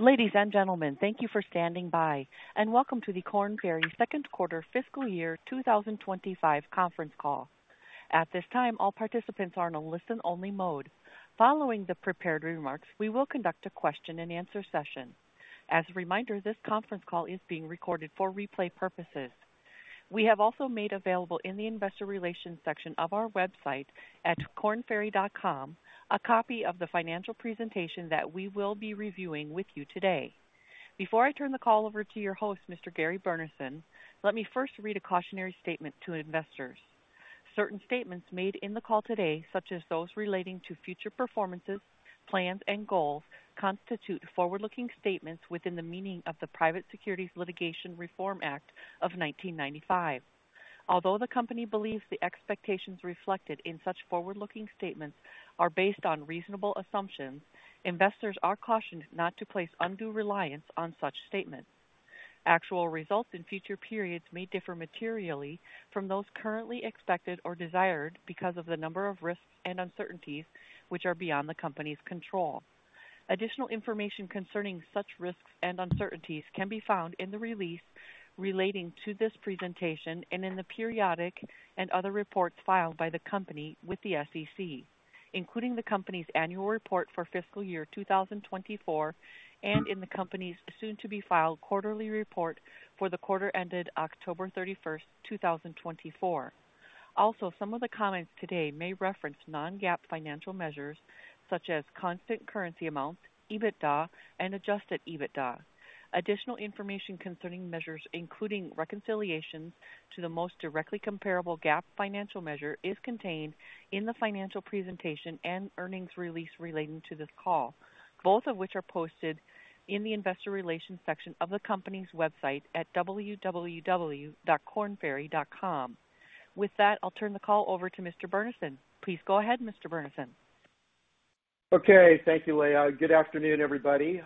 Ladies and gentlemen, thank you for standing by, and welcome to the Korn Ferry second quarter fiscal year 2025 conference call. At this time, all participants are in a listen-only mode. Following the prepared remarks, we will conduct a question-and-answer session. As a reminder, this conference call is being recorded for replay purposes. We have also made available in the investor relations section of our website at kornferry.com a copy of the financial presentation that we will be reviewing with you today. Before I turn the call over to your host, Mr. Gary Burnison, let me first read a cautionary statement to investors. Certain statements made in the call today, such as those relating to future performances, plans, and goals, constitute forward-looking statements within the meaning of the Private Securities Litigation Reform Act of 1995. Although the company believes the expectations reflected in such forward-looking statements are based on reasonable assumptions, investors are cautioned not to place undue reliance on such statements. Actual results in future periods may differ materially from those currently expected or desired because of the number of risks and uncertainties which are beyond the company's control. Additional information concerning such risks and uncertainties can be found in the release relating to this presentation and in the periodic and other reports filed by the company with the SEC, including the company's annual report for Fiscal Year 2024 and in the company's soon-to-be-filed quarterly report for the quarter ended October 31st, 2024. Also, some of the comments today may reference non-GAAP financial measures such as constant currency amounts, EBITDA, and adjusted EBITDA. Additional information concerning measures, including reconciliations to the most directly comparable GAAP financial measure, is contained in the financial presentation and earnings release relating to this call, both of which are posted in the investor relations section of the company's website at www.kornferry.com. With that, I'll turn the call over to Mr. Burnison. Please go ahead, Mr. Burnison. Okay. Thank you, Leah. Good afternoon, everybody.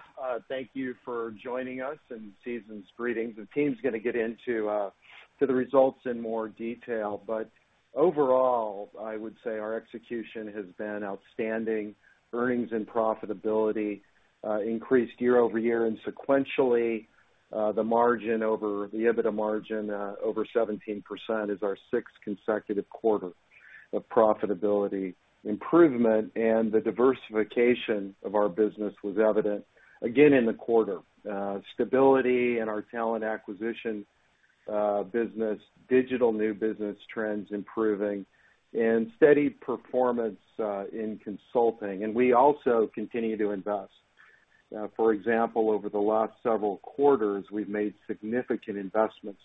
Thank you for joining us and Season's greetings. The team's going to get into the results in more detail, but overall, I would say our execution has been outstanding. Earnings and profitability increased year over year and sequentially. The margin over the EBITDA margin over 17% is our 6th consecutive quarter of profitability improvement, and the diversification of our business was evident again in the quarter. Stability in our talent acquisition business, digital new business trends improving, and steady performance in consulting. And we also continue to invest. For example, over the last several quarters, we've made significant investments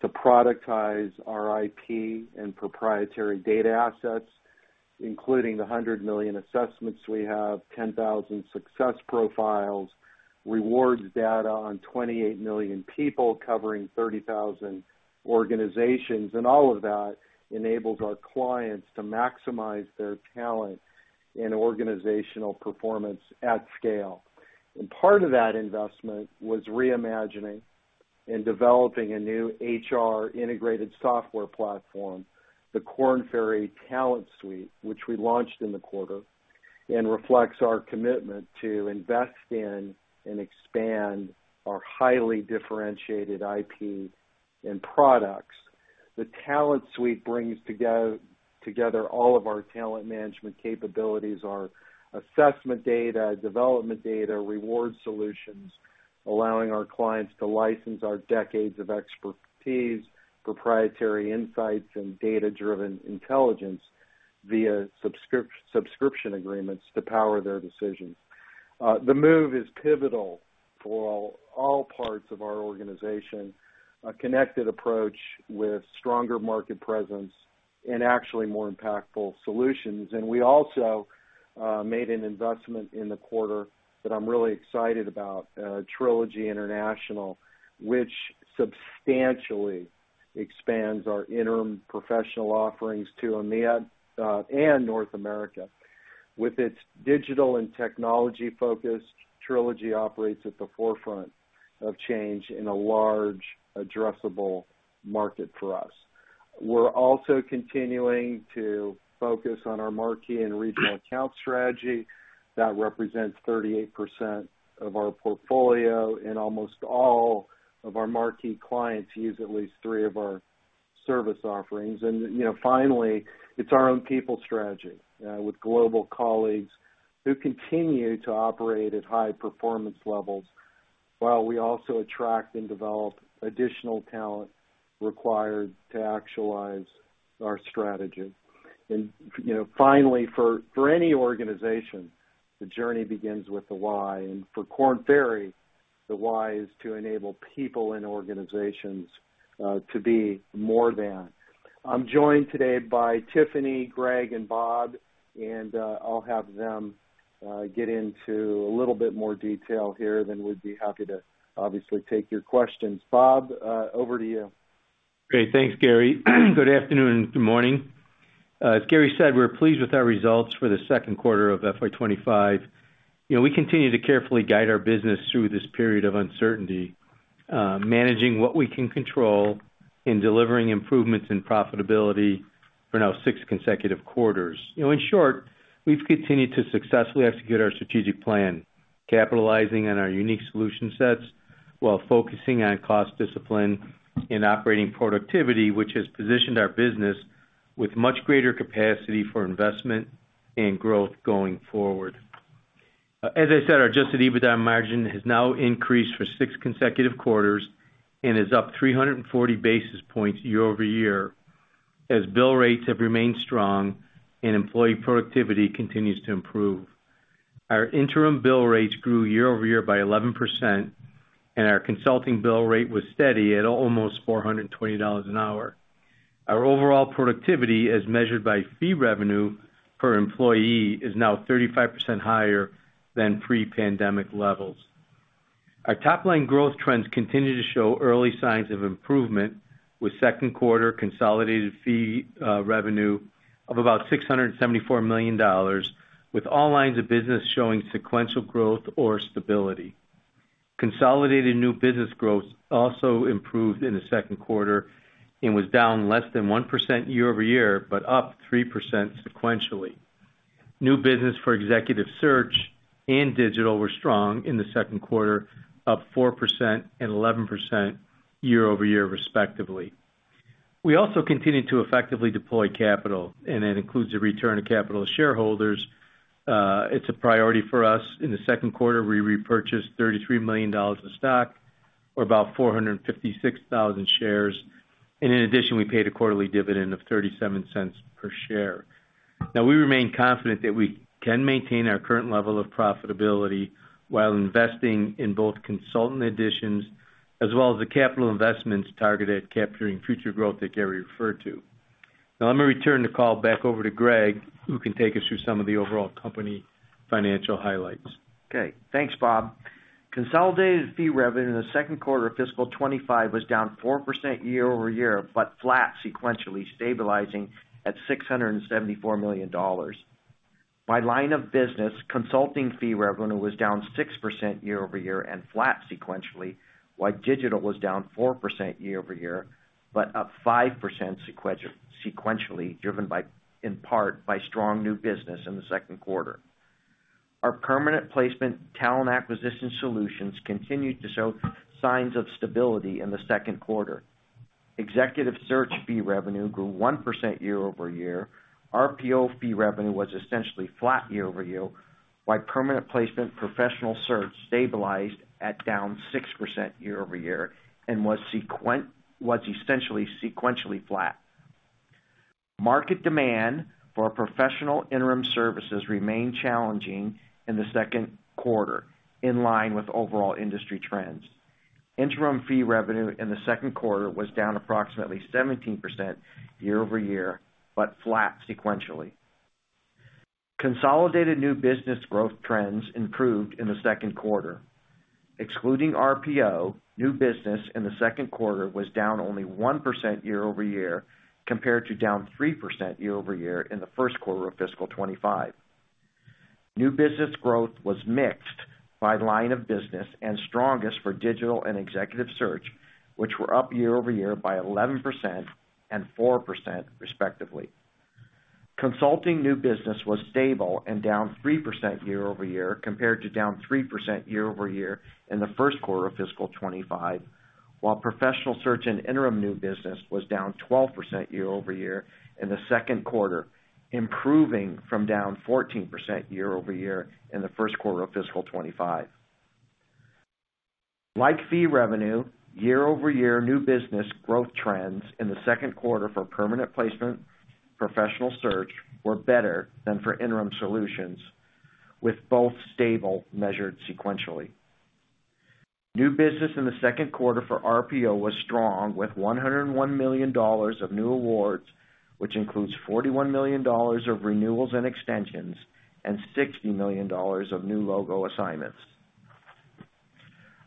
to productize our IP and proprietary data assets, including the 100 million assessments we have, 10,000 Success Profiles, rewards data on 28 million people covering 30,000 organizations. And all of that enables our clients to maximize their talent and organizational performance at scale. And part of that investment was reimagining and developing a new HR integrated software platform, the Korn Ferry Talent Suite, which we launched in the quarter and reflects our commitment to invest in and expand our highly differentiated IP and products. The Talent Suite brings together all of our talent management capabilities, our assessment data, development data, reward solutions, allowing our clients to license our decades of expertise, proprietary insights, and data-driven intelligence via subscription agreements to power their decisions. The move is pivotal for all parts of our organization: a connected approach with stronger market presence and actually more impactful solutions. And we also made an investment in the quarter that I'm really excited about, Trilogy International, which substantially expands our interim professional offerings to EMEA and North America. With its digital and technology focus, Trilogy operates at the forefront of change in a large, addressable market for us. We're also continuing to focus on our Marquee and Regional Account Strategy that represents 38% of our portfolio, and almost all of our marquee clients use at least three of our service offerings, and finally, it's our own people strategy with global colleagues who continue to operate at high performance levels while we also attract and develop additional talent required to actualize our strategy, and finally, for any organization, the journey begins with the why, and for Korn Ferry, the why is to enable people and organizations to be more than. I'm joined today by Tiffany, Gregg, and Bob, and I'll have them get into a little bit more detail here, then we'd be happy to obviously take your questions. Bob, over to you. Great. Thanks, Gary. Good afternoon and good morning. As Gary said, we're pleased with our results for the second quarter of FY 2025. We continue to carefully guide our business through this period of uncertainty, managing what we can control and delivering improvements in profitability for now six consecutive quarters. In short, we've continued to successfully execute our strategic plan, capitalizing on our unique solution sets while focusing on cost discipline and operating productivity, which has positioned our business with much greater capacity for investment and growth going forward. As I said, our adjusted EBITDA margin has now increased for six consecutive quarters and is up 340 basis points year over year as bill rates have remained strong and employee productivity continues to improve. Our interim bill rates grew year over year by 11%, and our consulting bill rate was steady at almost $420 an hour. Our overall productivity, as measured by fee revenue per employee, is now 35% higher than pre-pandemic levels. Our top-line growth trends continue to show early signs of improvement, with second quarter consolidated fee revenue of about $674 million, with all lines of business showing sequential growth or stability. Consolidated new business growth also improved in the second quarter and was down less than 1% year over year, but up 3% sequentially. New business for executive search and digital were strong in the second quarter, up 4% and 11% year over year, respectively. We also continue to effectively deploy capital, and that includes the return of capital to shareholders. It's a priority for us. In the second quarter, we repurchased $33 million of stock, or about 456,000 shares. And in addition, we paid a quarterly dividend of $0.37 per share. Now, we remain confident that we can maintain our current level of profitability while investing in both consultant additions as well as the capital investments targeted at capturing future growth that Gary referred to. Now, let me return the call back over to Gregg, who can take us through some of the overall company financial highlights. Okay. Thanks, Bob. Consolidated fee revenue in the second quarter of fiscal 2025 was down 4% year over year, but flat sequentially, stabilizing at $674 million. By line of business, consulting fee revenue was down 6% year over year and flat sequentially, while digital was down 4% year over year, but up 5% sequentially, driven in part by strong new business in the second quarter. Our permanent placement talent acquisition solutions continued to show signs of stability in the second quarter. Executive search fee revenue grew 1% year over year. RPO fee revenue was essentially flat year over year, while permanent placement professional search stabilized at down 6% year over year and was essentially sequentially flat. Market demand for professional interim services remained challenging in the second quarter, in line with overall industry trends. Interim fee revenue in the second quarter was down approximately 17% year over year, but flat sequentially. Consolidated new business growth trends improved in the second quarter. Excluding RPO, new business in the second quarter was down only 1% year over year compared to down 3% year over year in the first quarter of fiscal 2025. New business growth was mixed by line of business and strongest for digital and executive search, which were up year over year by 11% and 4%, respectively. Consulting new business was stable and down 3% year over year compared to down 3% year over year in the first quarter of fiscal 2025, while professional search and interim new business was down 12% year over year in the second quarter, improving from down 14% year over year in the first quarter of fiscal 2025. Like fee revenue, year over year new business growth trends in the second quarter for permanent placement professional search were better than for interim solutions, with both stable, measured sequentially. New business in the second quarter for RPO was strong with $101 million of new awards, which includes $41 million of renewals and extensions and $60 million of new logo assignments.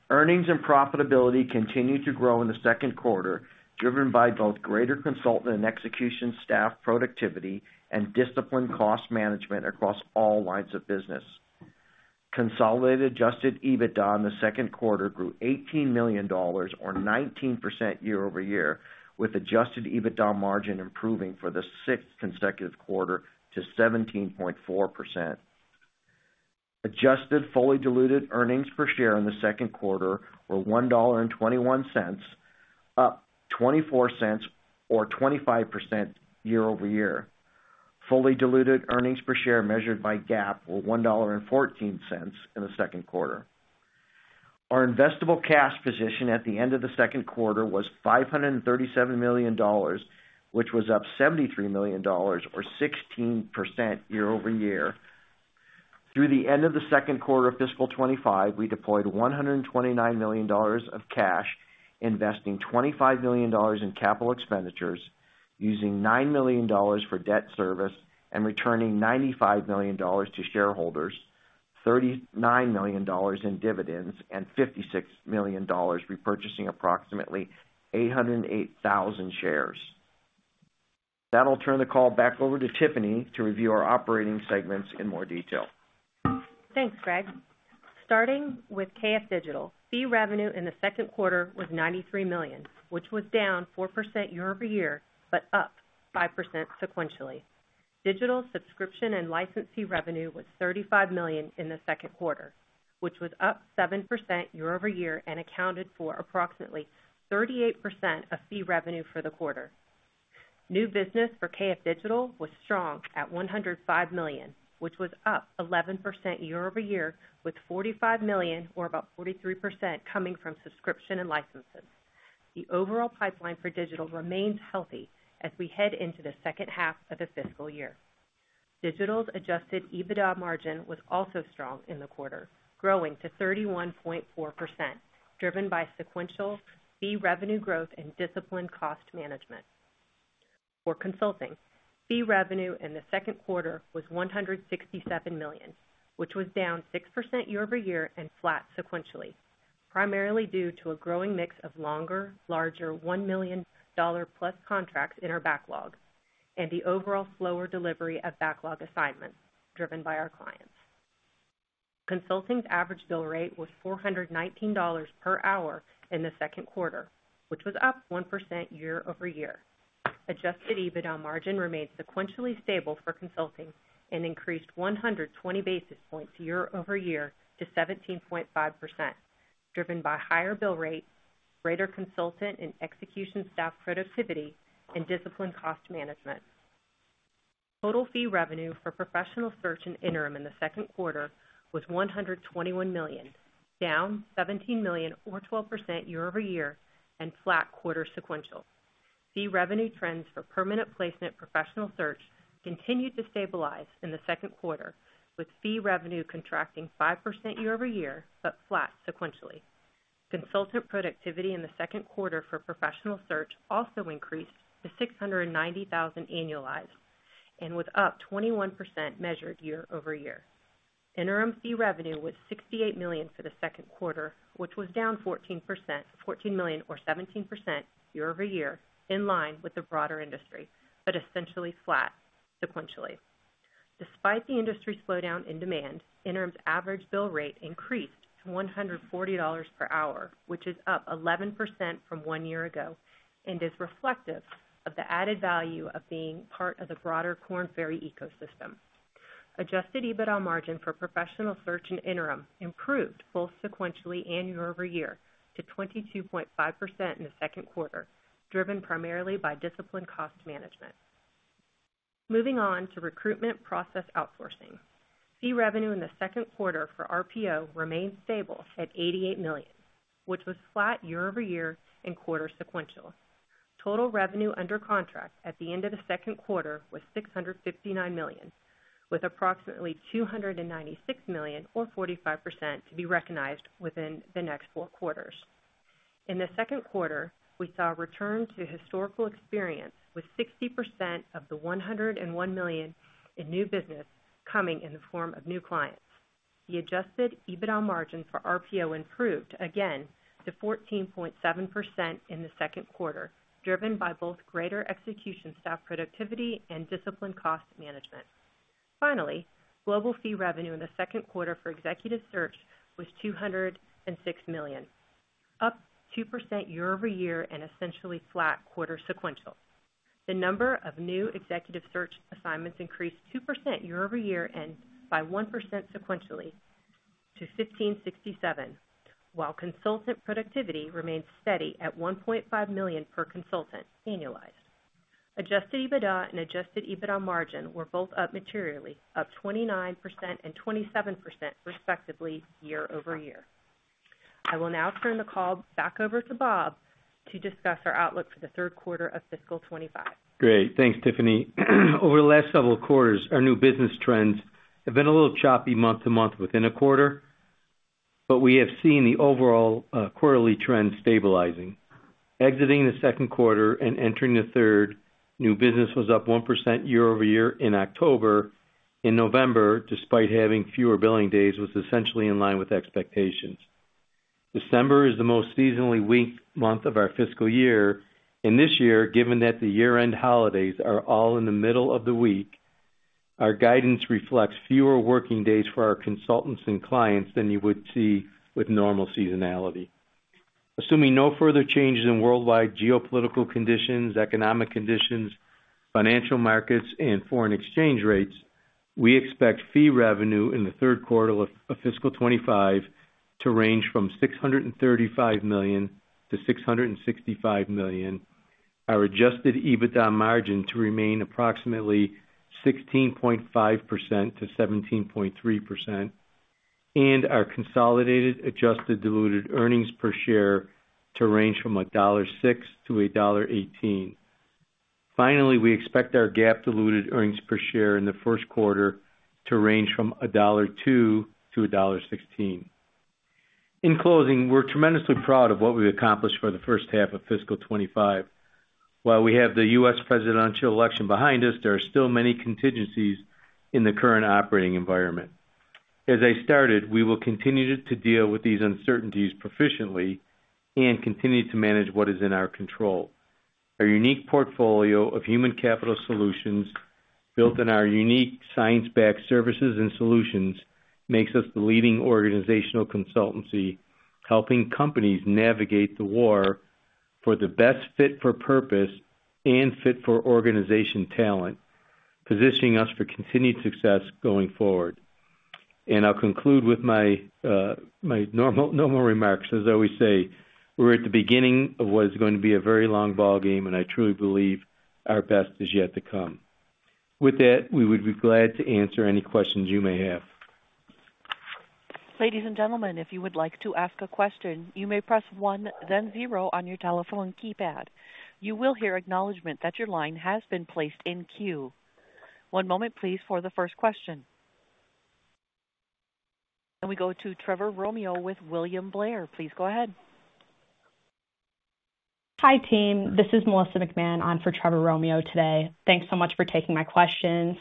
Earnings and profitability continued to grow in the second quarter, driven by both greater consultant and execution staff productivity and disciplined cost management across all lines of business. Consolidated adjusted EBITDA in the second quarter grew $18 million, or 19% year over year, with adjusted EBITDA margin improving for the sixth consecutive quarter to 17.4%. Adjusted fully diluted earnings per share in the second quarter were $1.21, up $0.24 or 25% year over year. Fully diluted earnings per share measured by GAAP were $1.14 in the second quarter. Our investable cash position at the end of the second quarter was $537 million, which was up $73 million, or 16% year over year. Through the end of the second quarter of fiscal 2025, we deployed $129 million of cash, investing $25 million in capital expenditures, using $9 million for debt service and returning $95 million to shareholders, $39 million in dividends, and $56 million repurchasing approximately 808,000 shares. That'll turn the call back over to Tiffany to review our operating segments in more detail. Thanks, Gregg. Starting with KF Digital, fee revenue in the second quarter was $93 million, which was down 4% year over year, but up 5% sequentially. Digital subscription and license fee revenue was $35 million in the second quarter, which was up 7% year over year and accounted for approximately 38% of fee revenue for the quarter. New business for KF Digital was strong at $105 million, which was up 11% year over year, with $45 million, or about 43%, coming from subscription and licenses. The overall pipeline for Digital remains healthy as we head into the second half of the fiscal year. Digital's adjusted EBITDA margin was also strong in the quarter, growing to 31.4%, driven by sequential fee revenue growth and disciplined cost management. For consulting, fee revenue in the second quarter was $167 million, which was down 6% year over year and flat sequentially, primarily due to a growing mix of longer, larger $1 million-plus contracts in our backlog and the overall slower delivery of backlog assignments driven by our clients. Consulting's average bill rate was $419 per hour in the second quarter, which was up 1% year over year. Adjusted EBITDA margin remained sequentially stable for consulting and increased 120 basis points year over year to 17.5%, driven by higher bill rates, greater consultant and execution staff productivity, and disciplined cost management. Total fee revenue for professional search and interim in the second quarter was $121 million, down $17 million, or 12% year over year, and flat sequentially. Fee revenue trends for permanent placement professional search continued to stabilize in the second quarter, with fee revenue contracting 5% year over year, but flat sequentially. Consultant productivity in the second quarter for professional search also increased to $690,000 annualized and was up 21%, measured year over year. Interim fee revenue was $68 million for the second quarter, which was down 14%, $14 million, or 17% year over year, in line with the broader industry, but essentially flat sequentially. Despite the industry slowdown in demand, interim's average bill rate increased to $140 per hour, which is up 11% from one year ago and is reflective of the added value of being part of the broader Korn Ferry ecosystem. Adjusted EBITDA margin for professional search and interim improved both sequentially and year over year to 22.5% in the second quarter, driven primarily by disciplined cost management. Moving on to recruitment process outsourcing, fee revenue in the second quarter for RPO remained stable at $88 million, which was flat year over year and quarter sequential. Total revenue under contract at the end of the second quarter was $659 million, with approximately $296 million, or 45%, to be recognized within the next four quarters. In the second quarter, we saw a return to historical experience with 60% of the $101 million in new business coming in the form of new clients. The adjusted EBITDA margin for RPO improved again to 14.7% in the second quarter, driven by both greater execution staff productivity and disciplined cost management. Finally, global fee revenue in the second quarter for executive search was $206 million, up 2% year over year and essentially flat quarter sequential. The number of new executive search assignments increased 2% year over year and by 1% sequentially to 1,567, while consultant productivity remained steady at $1.5 million per consultant annualized. Adjusted EBITDA and adjusted EBITDA margin were both up materially, up 29% and 27%, respectively, year over year. I will now turn the call back over to Bob to discuss our outlook for the third quarter of fiscal 2025. Great. Thanks, Tiffany. Over the last several quarters, our new business trends have been a little choppy month to month within a quarter, but we have seen the overall quarterly trend stabilizing. Exiting the second quarter and entering the third, new business was up 1% year over year in October. In November, despite having fewer billing days, was essentially in line with expectations. December is the most seasonally weak month of our fiscal year. In this year, given that the year-end holidays are all in the middle of the week, our guidance reflects fewer working days for our consultants and clients than you would see with normal seasonality. Assuming no further changes in worldwide geopolitical conditions, economic conditions, financial markets, and foreign exchange rates, we expect fee revenue in the third quarter of fiscal 2025 to range from $635 million to $665 million, our adjusted EBITDA margin to remain approximately 16.5%-17.3%, and our consolidated adjusted diluted earnings per share to range from $1.06-$1.18. Finally, we expect our GAAP diluted earnings per share in the first quarter to range from $1.02-$1.16. In closing, we're tremendously proud of what we've accomplished for the first half of fiscal 2025. While we have the U.S. presidential election behind us, there are still many contingencies in the current operating environment. As I started, we will continue to deal with these uncertainties proficiently and continue to manage what is in our control. Our unique portfolio of human capital solutions, built on our unique science-backed services and solutions, makes us the leading organizational consultancy, helping companies navigate the war for the best fit for purpose and fit for organization talent, positioning us for continued success going forward, and I'll conclude with my normal remarks. As I always say, we're at the beginning of what is going to be a very long ballgame, and I truly believe our best is yet to come. With that, we would be glad to answer any questions you may have. Ladies and gentlemen, if you would like to ask a question, you may press one, then zero on your telephone keypad. You will hear acknowledgment that your line has been placed in queue. One moment, please, for the first question, and we go to Trevor Romeo with William Blair. Please go ahead. Hi, team. This is Melissa McMahon on for Trevor Romeo today. Thanks so much for taking my questions.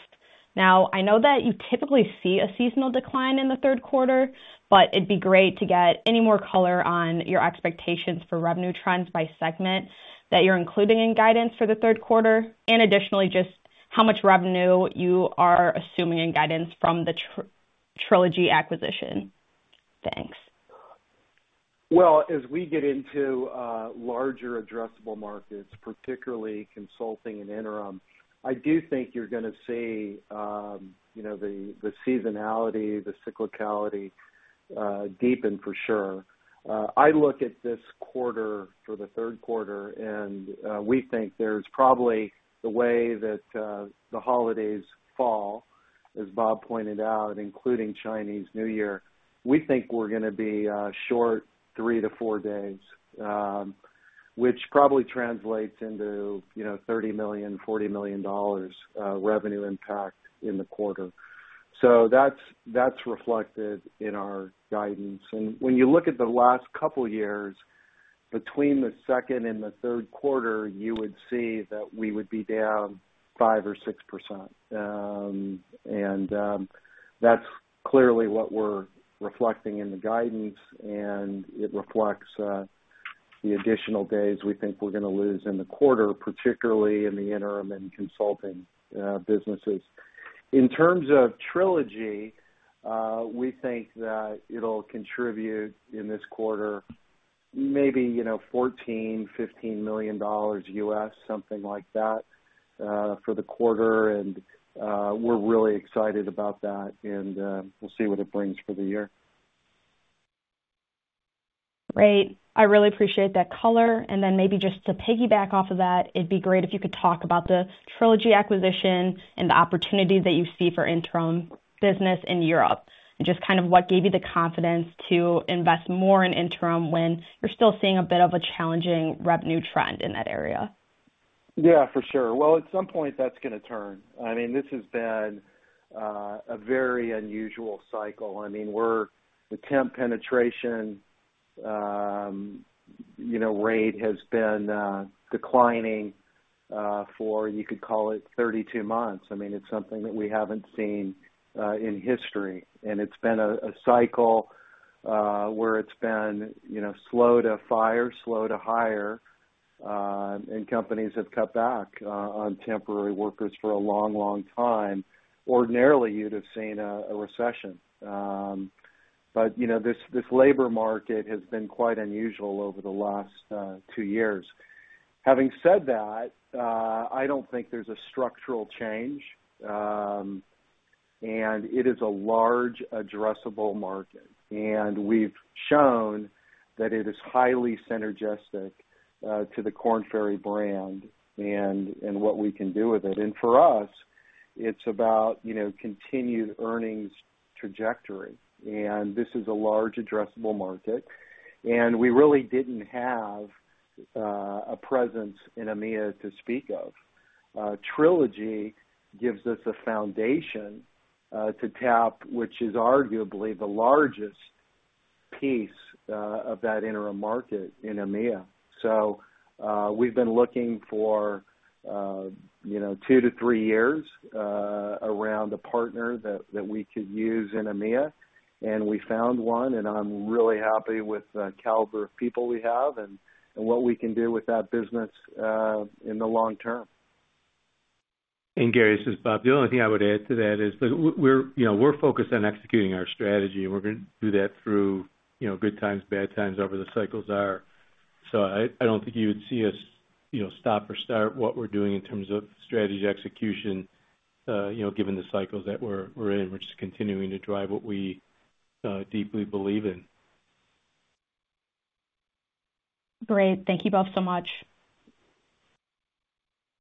Now, I know that you typically see a seasonal decline in the third quarter, but it'd be great to get any more color on your expectations for revenue trends by segment that you're including in guidance for the third quarter, and additionally, just how much revenue you are assuming in guidance from the Trilogy acquisition. Thanks. As we get into larger addressable markets, particularly consulting and interim, I do think you're going to see the seasonality, the cyclicality deepen for sure. I look at this quarter for the third quarter, and we think there's probably the way that the holidays fall, as Bob pointed out, including Chinese New Year. We think we're going to be short three to four days, which probably translates into $30 million-$40 million revenue impact in the quarter. So that's reflected in our guidance. And when you look at the last couple of years, between the second and the third quarter, you would see that we would be down 5%-6%. And that's clearly what we're reflecting in the guidance, and it reflects the additional days we think we're going to lose in the quarter, particularly in the interim and consulting businesses. In terms of Trilogy, we think that it'll contribute in this quarter maybe $14-$15 million US, something like that for the quarter, and we're really excited about that, and we'll see what it brings for the year. Great. I really appreciate that color. And then maybe just to piggyback off of that, it'd be great if you could talk about the Trilogy acquisition and the opportunities that you see for interim business in Europe and just kind of what gave you the confidence to invest more in interim when you're still seeing a bit of a challenging revenue trend in that area? Yeah, for sure. Well, at some point, that's going to turn. I mean, this has been a very unusual cycle. I mean, the temp penetration rate has been declining for, you could call it, 32 months. I mean, it's something that we haven't seen in history. And it's been a cycle where it's been slow to fire, slow to hire, and companies have cut back on temporary workers for a long, long time. Ordinarily, you'd have seen a recession. But this labor market has been quite unusual over the last two years. Having said that, I don't think there's a structural change, and it is a large addressable market. And we've shown that it is highly synergistic to the Korn Ferry brand and what we can do with it. And for us, it's about continued earnings trajectory. And this is a large addressable market, and we really didn't have a presence in EMEA to speak of. Trilogy gives us a foundation to tap, which is arguably the largest piece of that interim market in EMEA. So we've been looking for two to three years around a partner that we could use in EMEA, and we found one. And I'm really happy with the caliber of people we have and what we can do with that business in the long term. Gary, this is Bob. The only thing I would add to that is we're focused on executing our strategy, and we're going to do that through good times, bad times, however the cycles are. I don't think you would see us stop or start what we're doing in terms of strategy execution, given the cycles that we're in. We're just continuing to drive what we deeply believe in. Great. Thank you, Bob, so much.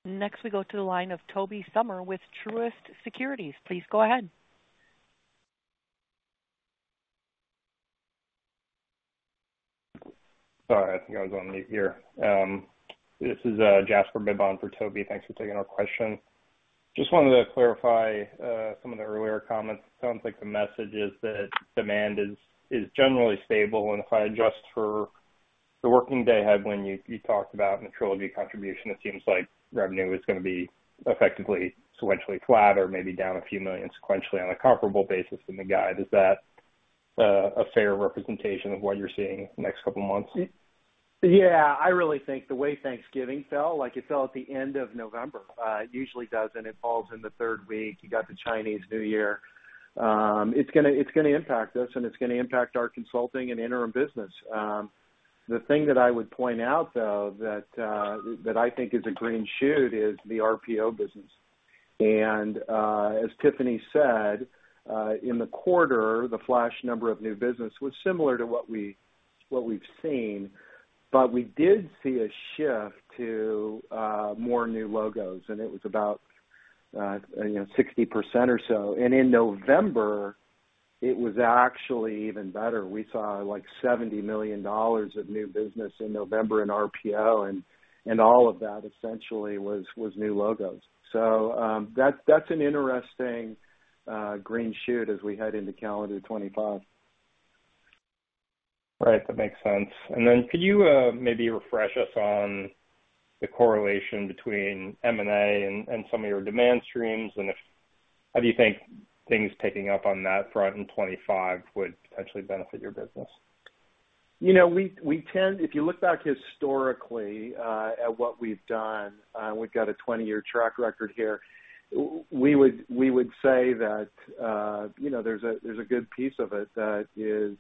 Next, we go to the line of Tobey Sommer with Truist Securities. Please go ahead. Sorry, I think I was on mute here. This is Jasper Bibb for Tobey. Thanks for taking our question. Just wanted to clarify some of the earlier comments. It sounds like the message is that demand is generally stable, and if I adjust for the working day headwind you talked about and the Trilogy contribution, it seems like revenue is going to be effectively sequentially flat or maybe down a few million sequentially on a comparable basis in the guide. Is that a fair representation of what you're seeing in the next couple of months? Yeah. I really think the way Thanksgiving fell, like it fell at the end of November, usually doesn't. It falls in the third week. You got the Chinese New Year. It's going to impact us, and it's going to impact our consulting and interim business. The thing that I would point out, though, that I think is a green shoot is the RPO business. And as Tiffany said, in the quarter, the flash number of new business was similar to what we've seen, but we did see a shift to more new logos, and it was about 60% or so. And in November, it was actually even better. We saw like $70 million of new business in November in RPO, and all of that essentially was new logos. So that's an interesting green shoot as we head into calendar 2025. Right. That makes sense. And then could you maybe refresh us on the correlation between M&A and some of your demand streams? And how do you think things picking up on that front in 2025 would potentially benefit your business? You know, we tend, if you look back historically at what we've done, we've got a 20-year track record here. We would say that there's a good piece of it that is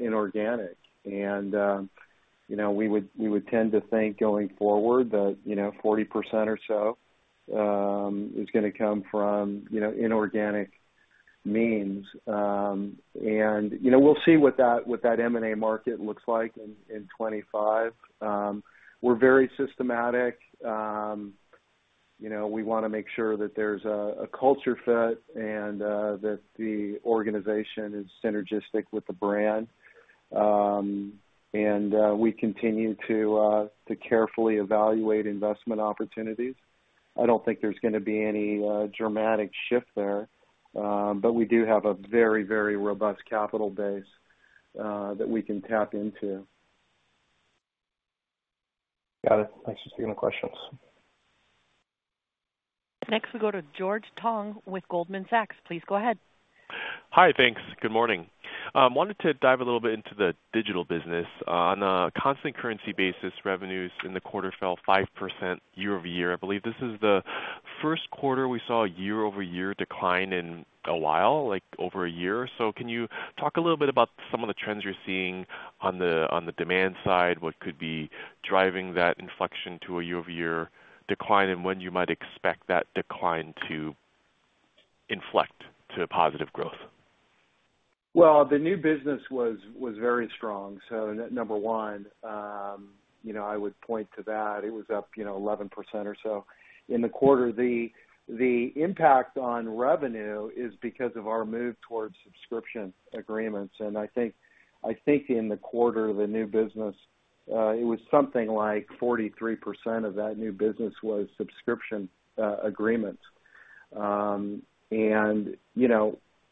inorganic. And we would tend to think going forward that 40% or so is going to come from inorganic means. And we'll see what that M&A market looks like in 2025. We're very systematic. We want to make sure that there's a culture fit and that the organization is synergistic with the brand. And we continue to carefully evaluate investment opportunities. I don't think there's going to be any dramatic shift there, but we do have a very, very robust capital base that we can tap into. Got it. Thanks for taking the questions. Next, we go to George Tong with Goldman Sachs. Please go ahead. Hi, thanks. Good morning. Wanted to dive a little bit into the digital business. On a constant currency basis, revenues in the quarter fell 5% year over year. I believe this is the first quarter we saw a year-over-year decline in a while, like over a year. So can you talk a little bit about some of the trends you're seeing on the demand side, what could be driving that inflection to a year-over-year decline, and when you might expect that decline to inflect to positive growth? The new business was very strong. Number one, I would point to that. It was up 11% or so. In the quarter, the impact on revenue is because of our move towards subscription agreements. I think in the quarter, the new business, it was something like 43% of that new business was subscription agreements.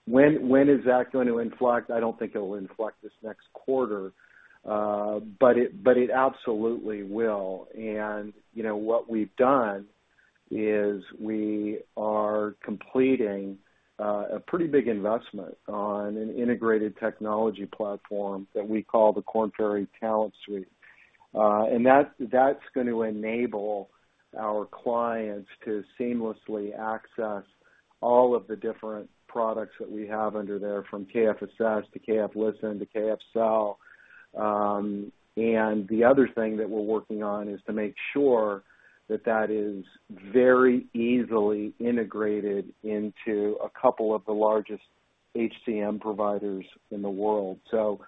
When is that going to inflect? I don't think it'll inflect this next quarter, but it absolutely will. What we've done is we are completing a pretty big investment on an integrated technology platform that we call the Korn Ferry Talent Suite. That's going to enable our clients to seamlessly access all of the different products that we have under there from KF Assess to KF Listen to KF Sell. And the other thing that we're working on is to make sure that that is very easily integrated into a couple of the largest HCM providers in the world. So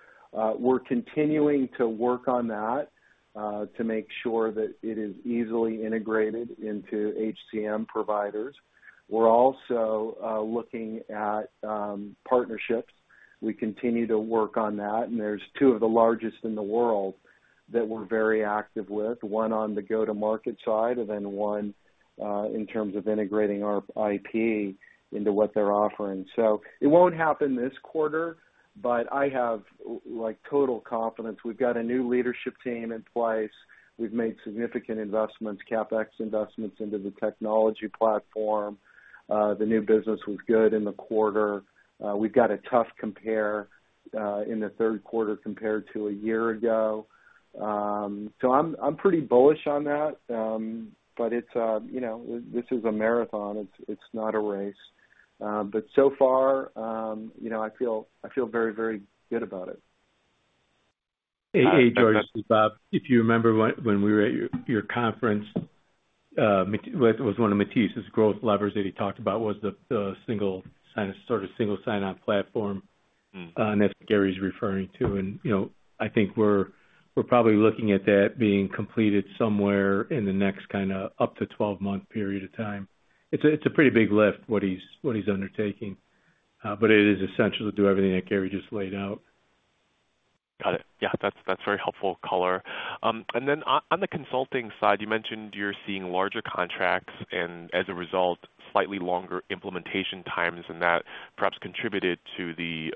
we're continuing to work on that to make sure that it is easily integrated into HCM providers. We're also looking at partnerships. We continue to work on that. And there's two of the largest in the world that we're very active with, one on the go-to-market side and then one in terms of integrating our IP into what they're offering. So it won't happen this quarter, but I have total confidence. We've got a new leadership team in place. We've made significant investments, CapEx investments into the technology platform. The new business was good in the quarter. We've got a tough compare in the third quarter compared to a year ago. So I'm pretty bullish on that, but this is a marathon. It's not a race. But so far, I feel very, very good about it. Hey, George. This is Bob. If you remember when we were at your conference, it was one of Mathias's growth levers that he talked about was the single sign-on platform that Gary's referring to. And I think we're probably looking at that being completed somewhere in the next kind of up to 12-month period of time. It's a pretty big lift what he's undertaking, but it is essential to do everything that Gary just laid out. Got it. Yeah, that's very helpful color. And then on the consulting side, you mentioned you're seeing larger contracts and as a result, slightly longer implementation times, and that perhaps contributed to the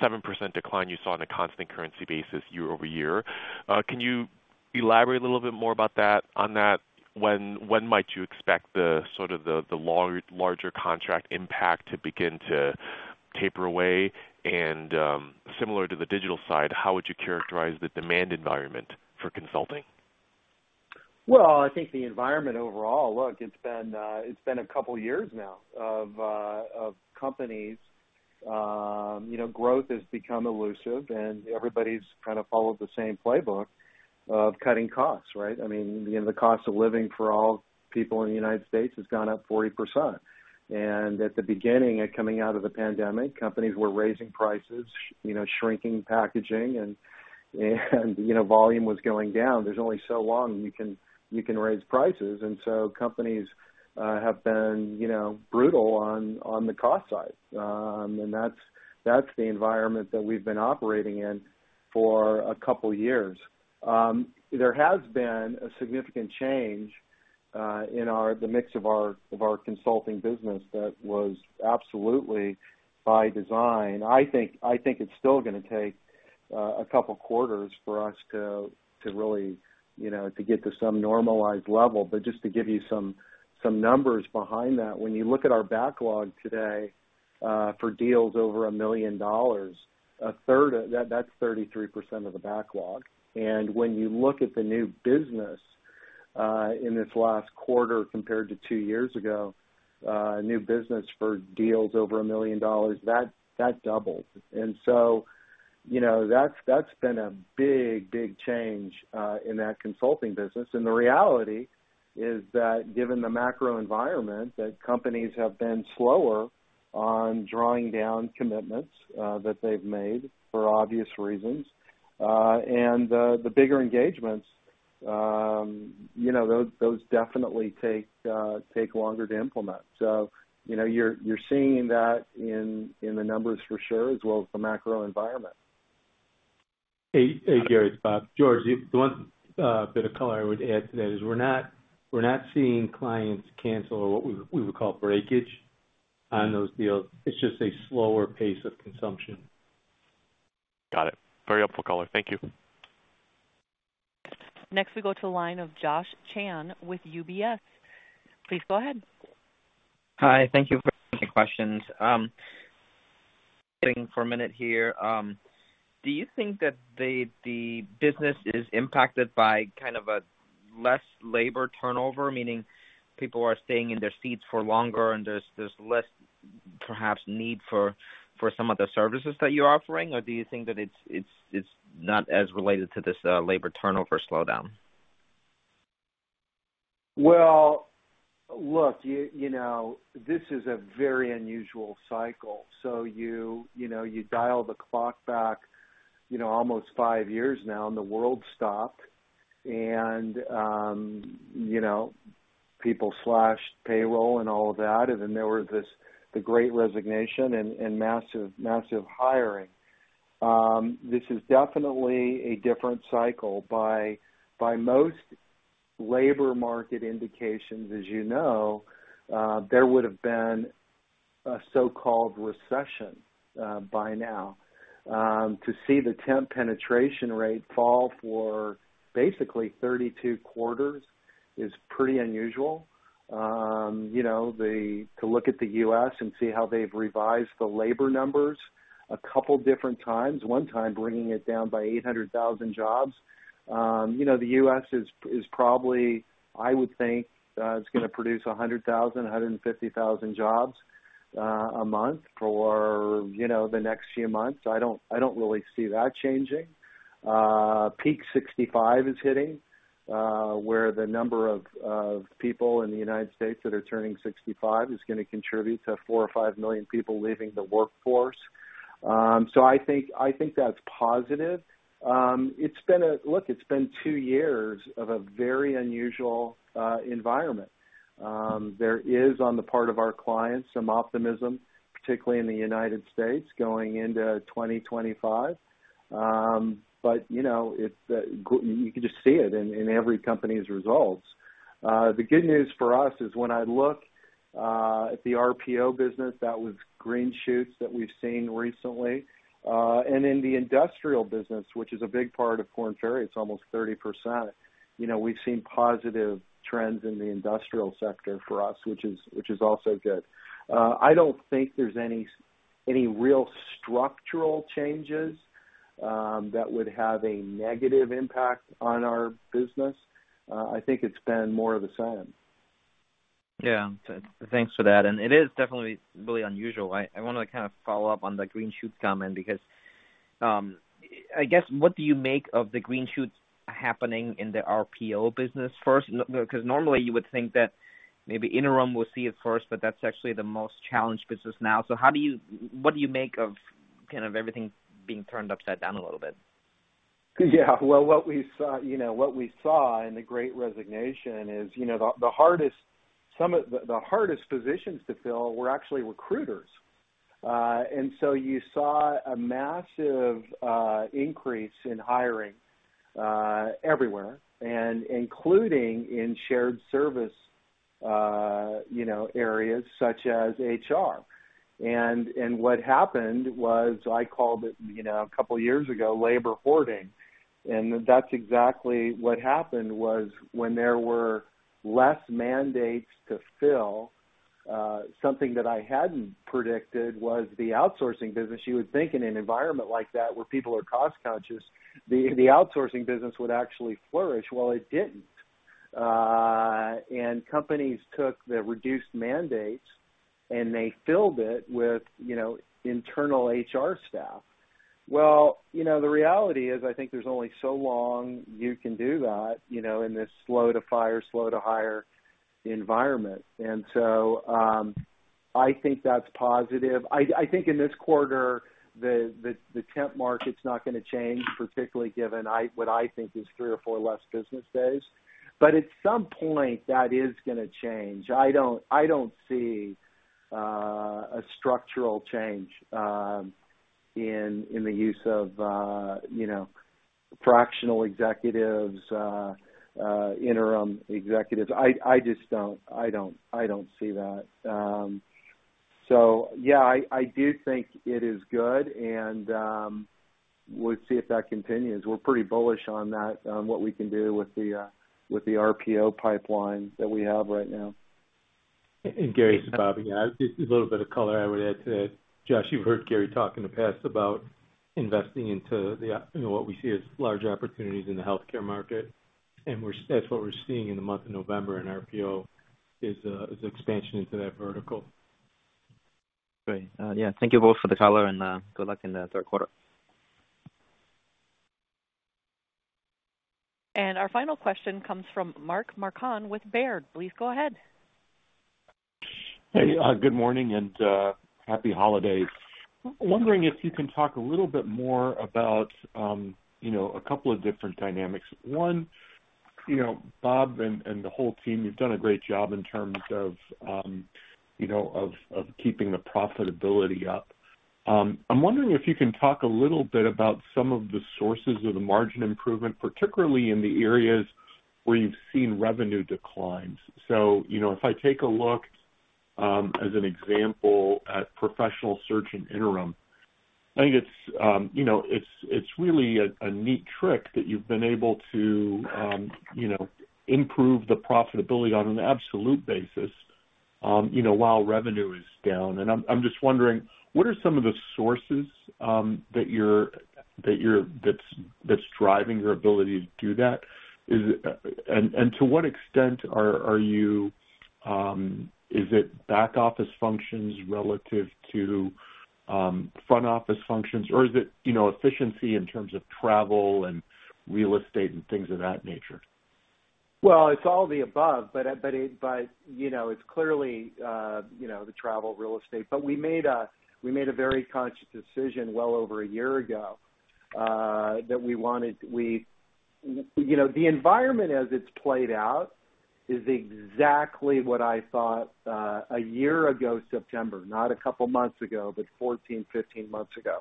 7% decline you saw on a constant currency basis year over year. Can you elaborate a little bit more about that? On that, when might you expect the sort of larger contract impact to begin to taper away? And similar to the digital side, how would you characterize the demand environment for consulting? I think the environment overall, look, it's been a couple of years now of companies. Growth has become elusive, and everybody's kind of followed the same playbook of cutting costs, right? I mean, the cost of living for all people in the United States has gone up 40%. At the beginning, coming out of the pandemic, companies were raising prices, shrinking packaging, and volume was going down. There's only so long you can raise prices. Companies have been brutal on the cost side. That's the environment that we've been operating in for a couple of years. There has been a significant change in the mix of our consulting business that was absolutely by design. I think it's still going to take a couple of quarters for us to really get to some normalized level. But just to give you some numbers behind that, when you look at our backlog today for deals over $1 million, that's 33% of the backlog. And when you look at the new business in this last quarter compared to two years ago, new business for deals over $1 million, that doubled. And so that's been a big, big change in that consulting business. And the reality is that given the macro environment, that companies have been slower on drawing down commitments that they've made for obvious reasons. And the bigger engagements, those definitely take longer to implement. So you're seeing that in the numbers for sure, as well as the macro environment. Hey, Gary, it's Bob. George, the one bit of color I would add to that is we're not seeing clients cancel or what we would call breakage on those deals. It's just a slower pace of consumption. Got it. Very helpful color. Thank you. Next, we go to the line of Josh Chan with UBS. Please go ahead. Hi. Thank you for taking questions. Waiting for a minute here. Do you think that the business is impacted by kind of a less labor turnover, meaning people are staying in their seats for longer and there's less perhaps need for some of the services that you're offering, or do you think that it's not as related to this labor turnover slowdown? Look, this is a very unusual cycle. You dial the clock back almost five years now, and the world stopped, and people slashed payroll and all of that, and then there was the Great Resignation and massive hiring. This is definitely a different cycle. By most labor market indications, as you know, there would have been a so-called recession by now. To see the temp penetration rate fall for basically 32 quarters is pretty unusual. To look at the U.S. and see how they've revised the labor numbers a couple of different times, one time bringing it down by 800,000 jobs. The U.S. is probably, I would think, it's going to produce 100,000, 150,000 jobs a month for the next few months. I don't really see that changing. Peak 65 is hitting, where the number of people in the United States that are turning 65 is going to contribute to four or five million people leaving the workforce. So I think that's positive. Look, it's been two years of a very unusual environment. There is, on the part of our clients, some optimism, particularly in the United States going into 2025. But you can just see it in every company's results. The good news for us is when I look at the RPO business, that was green shoots that we've seen recently. And in the industrial business, which is a big part of Korn Ferry, it's almost 30%. We've seen positive trends in the industrial sector for us, which is also good. I don't think there's any real structural changes that would have a negative impact on our business. I think it's been more of the same. Yeah. Thanks for that. And it is definitely really unusual. I want to kind of follow up on the green shoots comment because I guess, what do you make of the green shoots happening in the RPO business first? Because normally you would think that maybe interim will see it first, but that's actually the most challenged business now. So what do you make of kind of everything being turned upside down a little bit? Yeah. Well, what we saw in the great resignation is the hardest positions to fill were actually recruiters. And so you saw a massive increase in hiring everywhere, including in shared service areas such as HR. And what happened was I called it a couple of years ago labor hoarding. And that's exactly what happened was when there were less mandates to fill, something that I hadn't predicted was the outsourcing business. You would think in an environment like that where people are cost-conscious, the outsourcing business would actually flourish. Well, it didn't. And companies took the reduced mandates and they filled it with internal HR staff. Well, the reality is I think there's only so long you can do that in this slow-to-fire, slow-to-hire environment. And so I think that's positive. I think in this quarter, the temp market's not going to change, particularly given what I think is three or four less business days. But at some point, that is going to change. I don't see a structural change in the use of fractional executives, interim executives. I just don't see that. So yeah, I do think it is good, and we'll see if that continues. We're pretty bullish on that, on what we can do with the RPO pipeline that we have right now. And Gary, it's Bob. Yeah, just a little bit of color I would add to that. Josh, you've heard Gary talk in the past about investing into what we see as large opportunities in the healthcare market. And that's what we're seeing in the month of November in RPO is expansion into that vertical. Great. Yeah. Thank you both for the color, and good luck in the third quarter. And our final question comes from Mark Marcon with Baird. Please go ahead. Hey, good morning and happy holidays. Wondering if you can talk a little bit more about a couple of different dynamics. One, Bob and the whole team, you've done a great job in terms of keeping the profitability up. I'm wondering if you can talk a little bit about some of the sources of the margin improvement, particularly in the areas where you've seen revenue declines. So if I take a look as an example at professional search and interim, I think it's really a neat trick that you've been able to improve the profitability on an absolute basis while revenue is down. And I'm just wondering, what are some of the sources that's driving your ability to do that? And to what extent is it back office functions relative to front office functions, or is it efficiency in terms of travel and real estate and things of that nature? It's all the above, but it's clearly the travel, real estate. But we made a very conscious decision well over a year ago that we wanted the environment as it's played out is exactly what I thought a year ago, September, not a couple of months ago, but 14, 15 months ago.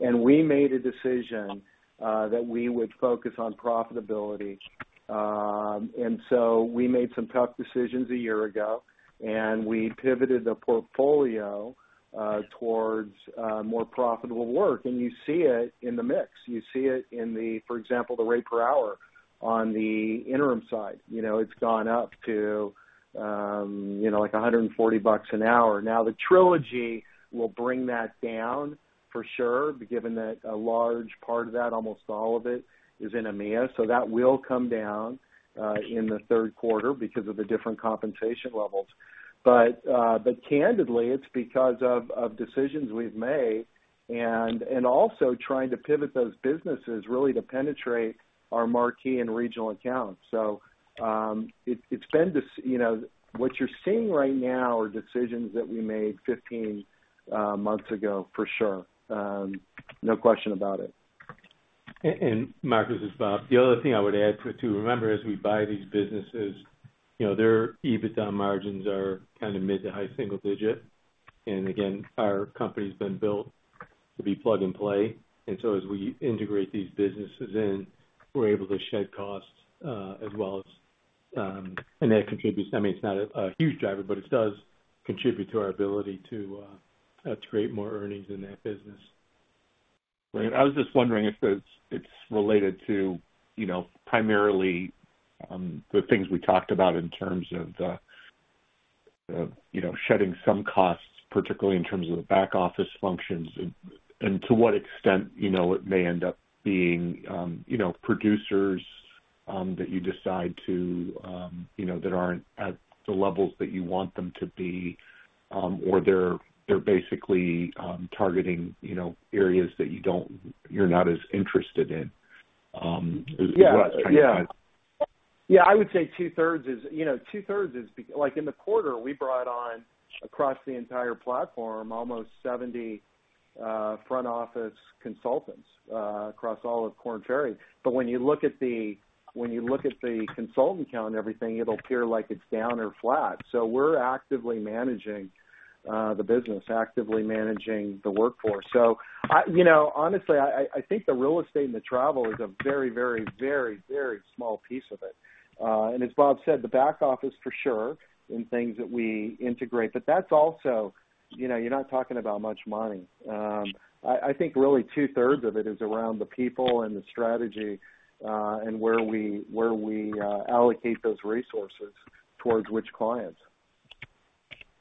And we made a decision that we would focus on profitability. And so we made some tough decisions a year ago, and we pivoted the portfolio towards more profitable work. And you see it in the mix. You see it in the, for example, the rate per hour on the interim side. It's gone up to like $140 an hour. Now, the Trilogy will bring that down for sure, given that a large part of that, almost all of it, is in EMEA. So that will come down in the third quarter because of the different compensation levels. But candidly, it's because of decisions we've made and also trying to pivot those businesses really to penetrate our marquee and regional accounts. So it's been what you're seeing right now are decisions that we made 15 months ago for sure. No question about it. And Mark, this is Bob. The other thing I would add to remember is we buy these businesses. Their EBITDA margins are kind of mid- to high-single-digit. And again, our company's been built to be plug and play. And so as we integrate these businesses in, we're able to shed costs as well as, and that contributes. I mean, it's not a huge driver, but it does contribute to our ability to create more earnings in that business. Right. I was just wondering if it's related to primarily the things we talked about in terms of shedding some costs, particularly in terms of the back office functions, and to what extent it may end up being producers that you decide to that aren't at the levels that you want them to be, or they're basically targeting areas that you're not as interested in. Is that what I was trying to get at? Yeah. I would say two-thirds is like in the quarter, we brought on across the entire platform almost 70 front office consultants across all of Korn Ferry. But when you look at the consultant count and everything, it'll appear like it's down or flat. So we're actively managing the business, actively managing the workforce. So honestly, I think the real estate and the travel is a very, very, very, very small piece of it. And as Bob said, the back office for sure in things that we integrate, but that's also you're not talking about much money. I think really two-thirds of it is around the people and the strategy and where we allocate those resources towards which clients.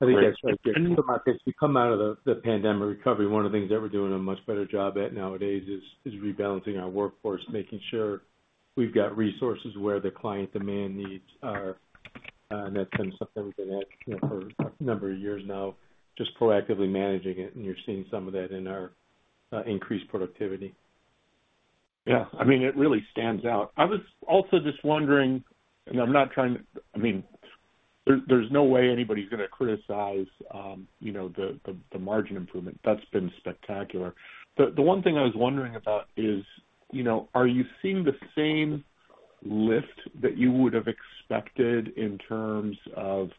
I think that's right. As we come out of the pandemic recovery, one of the things that we're doing a much better job at nowadays is rebalancing our workforce, making sure we've got resources where the client demand needs are, and that's been something we've been at for a number of years now, just proactively managing it, and you're seeing some of that in our increased productivity. Yeah. I mean, it really stands out. I was also just wondering, and I'm not trying to I mean, there's no way anybody's going to criticize the margin improvement. That's been spectacular. The one thing I was wondering about is, are you seeing the same lift that you would have expected in terms of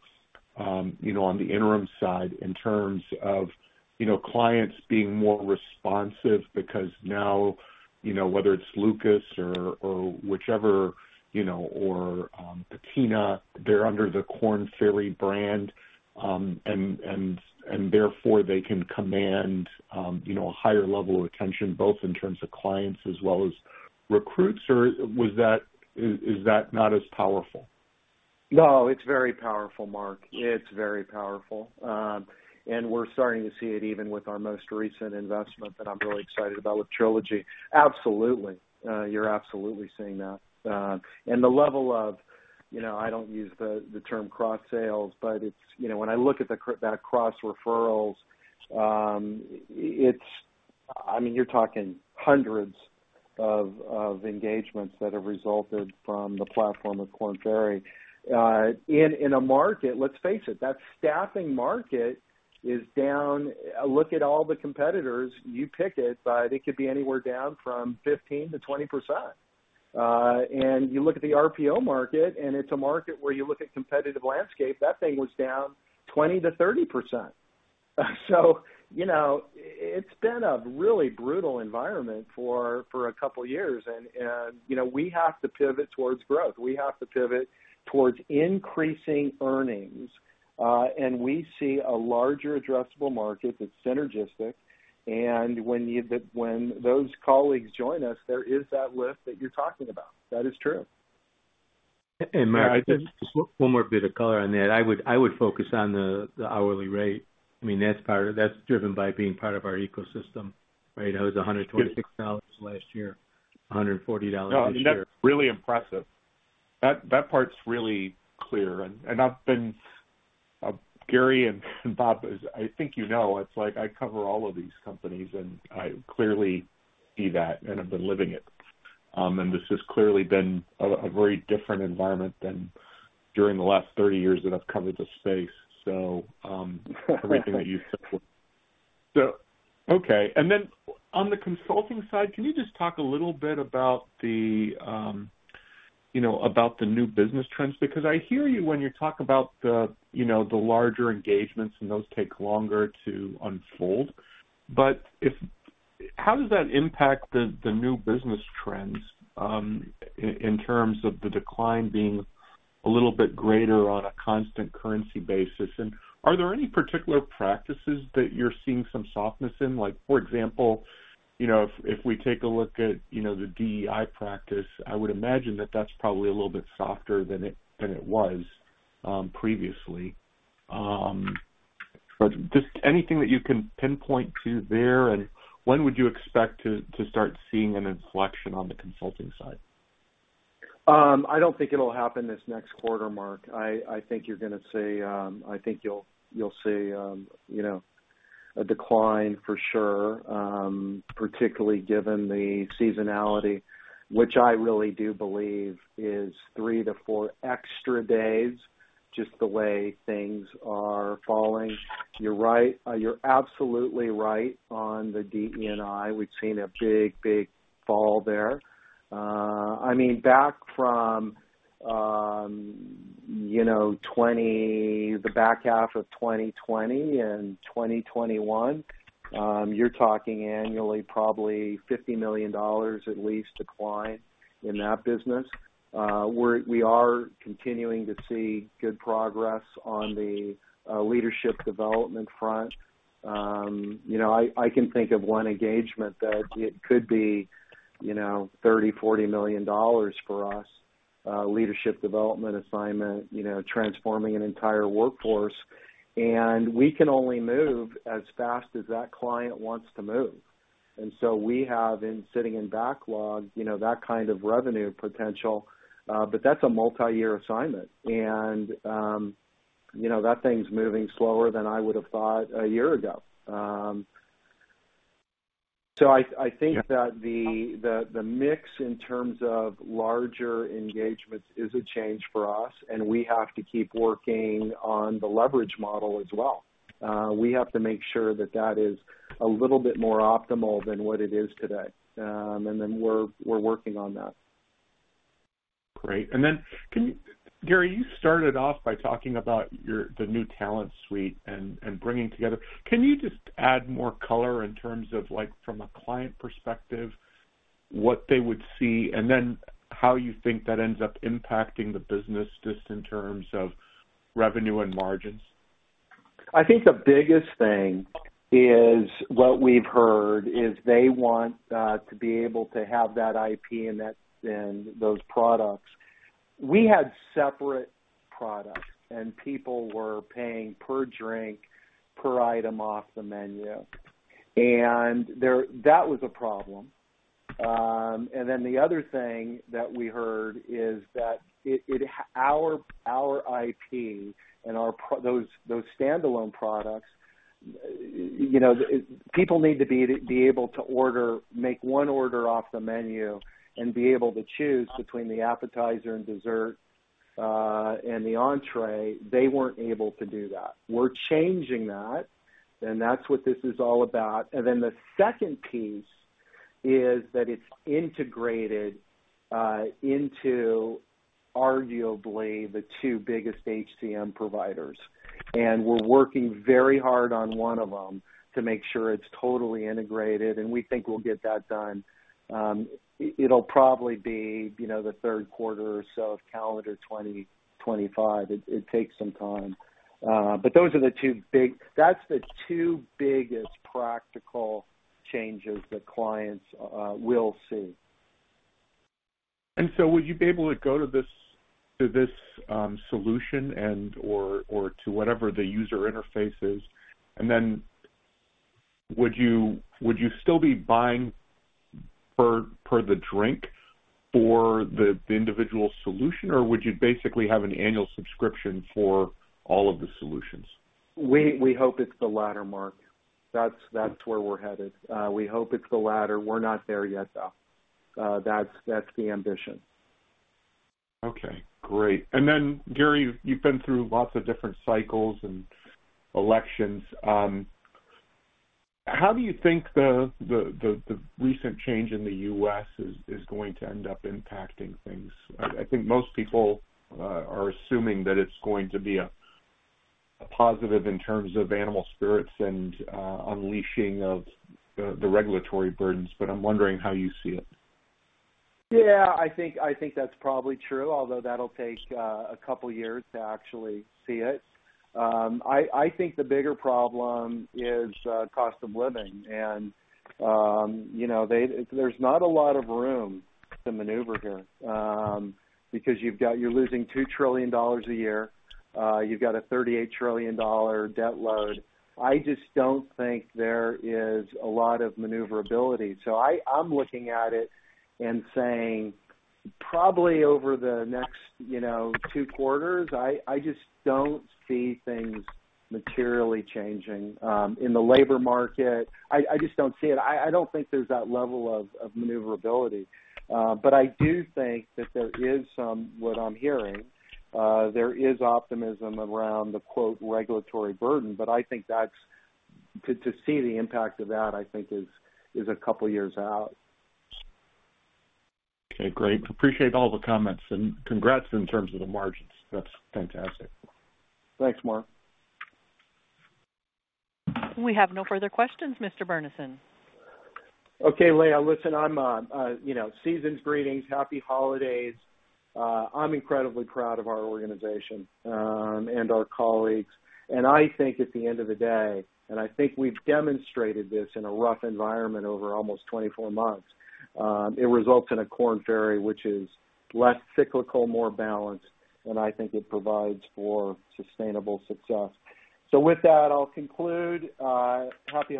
on the interim side, in terms of clients being more responsive because now, whether it's Lucas or whichever or Patina, they're under the Korn Ferry brand, and therefore they can command a higher level of attention both in terms of clients as well as recruits, or is that not as powerful? No, it's very powerful, Mark. It's very powerful, and we're starting to see it even with our most recent investment that I'm really excited about with Trilogy. Absolutely. You're absolutely seeing that, and the level of I don't use the term cross-sales, but when I look at that cross-referrals, I mean, you're talking hundreds of engagements that have resulted from the platform of Korn Ferry. In a market, let's face it, that staffing market is down. Look at all the competitors. You pick it, but it could be anywhere down from 15%-20%. And you look at the RPO market, and it's a market where you look at competitive landscape, that thing was down 20%-30%. So it's been a really brutal environment for a couple of years, and we have to pivot towards growth. We have to pivot towards increasing earnings. We see a larger addressable market that's synergistic. When those colleagues join us, there is that lift that you're talking about. That is true. Mark, just one more bit of color on that. I would focus on the hourly rate. I mean, that's driven by being part of our ecosystem, right? I was $126 last year, $140 this year. Oh, and that's really impressive. That part's really clear, and Gary and Bob, I think you know, it's like I cover all of these companies, and I clearly see that, and I've been living it, and this has clearly been a very different environment than during the last 30 years that I've covered the space. So everything that you said was so okay, and then on the consulting side, can you just talk a little bit about the new business trends? Because I hear you when you talk about the larger engagements, and those take longer to unfold, but how does that impact the new business trends in terms of the decline being a little bit greater on a constant currency basis? And are there any particular practices that you're seeing some softness in? For example, if we take a look at the DEI practice, I would imagine that that's probably a little bit softer than it was previously. But just anything that you can pinpoint to there? And when would you expect to start seeing an inflection on the consulting side? I don't think it'll happen this next quarter, Mark. I think you'll see a decline for sure, particularly given the seasonality, which I really do believe is three to four extra days just the way things are falling. You're right. You're absolutely right on the DE&I. We've seen a big, big fall there. I mean, back from the back half of 2020 and 2021, you're talking annually probably $50 million at least decline in that business. We are continuing to see good progress on the leadership development front. I can think of one engagement that it could be $30-$40 million for us, leadership development assignment, transforming an entire workforce, and we can only move as fast as that client wants to move, and so we have sitting in backlog that kind of revenue potential, but that's a multi-year assignment. And that thing's moving slower than I would have thought a year ago. So I think that the mix in terms of larger engagements is a change for us, and we have to keep working on the leverage model as well. We have to make sure that that is a little bit more optimal than what it is today. And then we're working on that. Great, and then, Gary, you started off by talking about the new talent suite and bringing together. Can you just add more color in terms of, from a client perspective, what they would see, and then how you think that ends up impacting the business just in terms of revenue and margins? I think the biggest thing is what we've heard is they want to be able to have that IP and those products. We had separate products, and people were paying per drink, per item off the menu. And that was a problem. And then the other thing that we heard is that our IP and those standalone products, people need to be able to order, make one order off the menu and be able to choose between the appetizer and dessert and the entrée. They weren't able to do that. We're changing that, and that's what this is all about. And then the second piece is that it's integrated into arguably the two biggest HCM providers. And we're working very hard on one of them to make sure it's totally integrated. And we think we'll get that done. It'll probably be the third quarter or so of calendar 2025. It takes some time, but those are the two biggest practical changes that clients will see. And so would you be able to go to this solution and/or to whatever the user interface is? And then would you still be buying per the drink for the individual solution, or would you basically have an annual subscription for all of the solutions? We hope it's the latter, Mark. That's where we're headed. We hope it's the latter. We're not there yet, though. That's the ambition. Okay. Great. And then, Gary, you've been through lots of different cycles and elections. How do you think the recent change in the U.S. is going to end up impacting things? I think most people are assuming that it's going to be a positive in terms of animal spirits and unleashing of the regulatory burdens, but I'm wondering how you see it. Yeah. I think that's probably true, although that'll take a couple of years to actually see it. I think the bigger problem is cost of living. And there's not a lot of room to maneuver here because you're losing $2 trillion a year. You've got a $38 trillion debt load. I just don't think there is a lot of maneuverability. So I'm looking at it and saying probably over the next two quarters, I just don't see things materially changing in the labor market. I just don't see it. I don't think there's that level of maneuverability. But I do think that there is some, what I'm hearing, there is optimism around the "regulatory burden." But I think to see the impact of that, I think, is a couple of years out. Okay. Great. Appreciate all the comments. And congrats in terms of the margins. That's fantastic. Thanks, Mark. We have no further questions, Mr. Burnison. Okay, Leah. Listen, it's season's greetings. Happy holidays. I'm incredibly proud of our organization and our colleagues. And I think at the end of the day, and I think we've demonstrated this in a rough environment over almost 24 months, it results in a Korn Ferry which is less cyclical, more balanced, and I think it provides for sustainable success. So with that, I'll conclude. Happy.